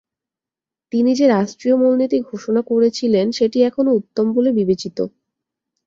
তিনি যে রাষ্ট্রীয় মূলনীতি ঘোষণা করেছিলেন, সেটি এখনো উত্তম বলে বিবেচিত।